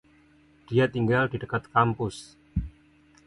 Dia tinggal di dekat kampus.